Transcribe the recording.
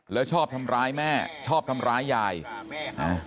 แล้วชอบทำร้ายแม่ชอบทำร้ายยายอ่า